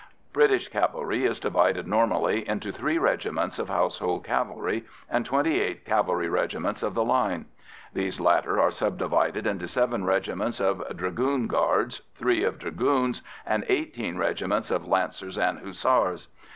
British cavalry is divided normally into three regiments of Household Cavalry and twenty eight cavalry regiments of the line. These latter are subdivided into seven regiments of Dragoon Guards, three of Dragoons, and eighteen regiments of Lancers and Hussars.